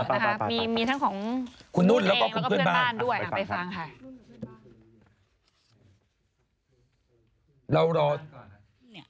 นะคะมีทั้งของคุณนุ่นเองแล้วก็เพื่อนบ้านด้วยไปฟังค่ะ